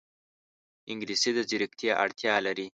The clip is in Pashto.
انګلیسي د ځیرکتیا اړتیا لري